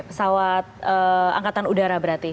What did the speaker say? pesawat angkatan udara berarti